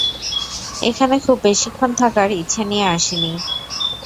এখনে খুব বেশিক্ষণ থাকার ইচ্ছে নিয়ে আসিনি।